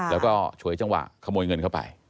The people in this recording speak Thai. แล้วก็ฉวยจังหวะขโมยเงินเข้าไป